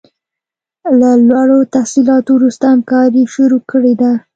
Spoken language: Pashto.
له لوړو تحصیلاتو وروسته همکاري شروع کړې ده.